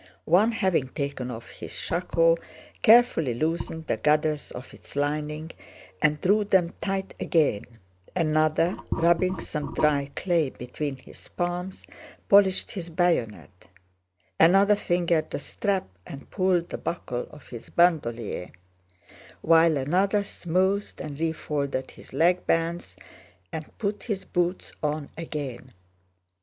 One, having taken off his shako, carefully loosened the gathers of its lining and drew them tight again; another, rubbing some dry clay between his palms, polished his bayonet; another fingered the strap and pulled the buckle of his bandolier, while another smoothed and refolded his leg bands and put his boots on again.